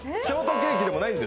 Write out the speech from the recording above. ショートケーキ？